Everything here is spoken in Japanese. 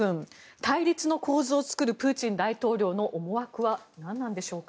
対立の構図を作るプーチン大統領の思惑は何なんでしょうか。